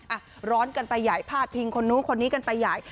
อ่ะร้อนกันไปใหญ่พาดพิงคนนู้นคนนี้กันไปใหญ่